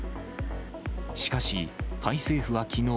しかし、タイ政府はきのう、